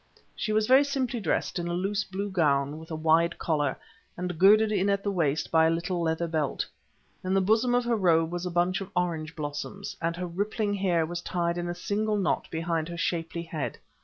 She was very simply dressed in a loose blue gown, with a wide collar, and girdled in at the waist by a little leather belt. In the bosom of her robe was a bunch of orange blooms, and her rippling hair was tied in a single knot behind her shapely head.